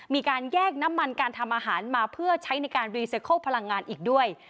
มีการแยกน้ำมันการทำอาหารมาเพื่อใช้ในการรีไซเคิลพลังงานอีกด้วย